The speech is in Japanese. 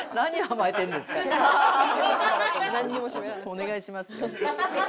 お願いしますよ。